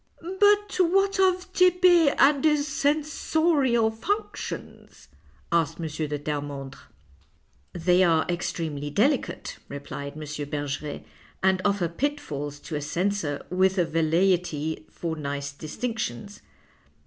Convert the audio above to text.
" But what of Tepe and his censorial functions ?" asked M. de Terremondre. " They are extremely delicate," replied M. Ber geret, " and offer pitfalls to a censor with a velleity for nice distinctions.